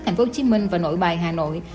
thành phố hồ chí minh và nội bài hà nội